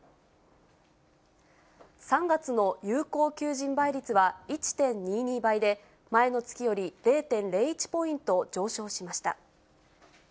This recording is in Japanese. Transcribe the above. ３月の有効求人倍率は１．２２倍で、前の月より０．０１ポイント上昇しました。